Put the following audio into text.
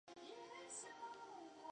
第二丁卯是一艘日本海军军舰。